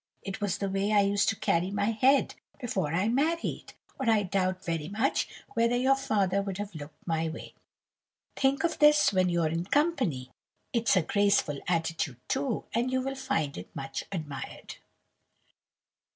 It was the way I used to carry my head before I married, or I doubt very much whether your father would have looked my way. Think of this when you're in company. It's a graceful attitude too, and you will find it much admired.